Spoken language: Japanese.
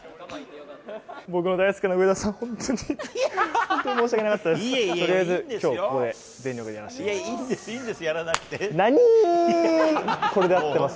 僕の大好きな上田さん、本当に、本当に申し訳なかったです。